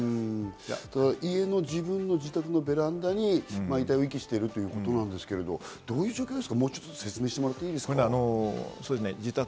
家の自宅のベランダに遺体を遺棄したということですが、どういう状況ですか？